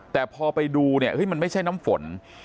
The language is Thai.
แต่พอไปดูเนี่ยมันไม่ใช่น้ำฝน